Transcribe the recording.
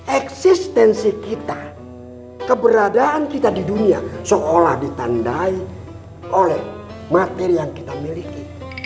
eksistensi kita keberadaan kita di dunia seolah ditandai oleh materi yang kita miliki